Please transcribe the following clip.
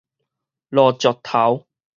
落石頭